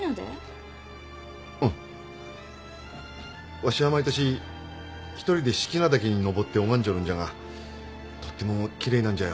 わしは毎年一人で志木那岳に登って拝んじょるんじゃがとってもきれいなんじゃよ。